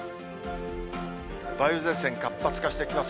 梅雨前線、活発化していきます。